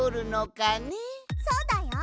そうだよ！